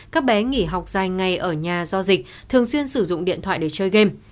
các bé nghỉ học dài ngày ở nhà do dịch thường xuyên sử dụng điện thoại để chơi game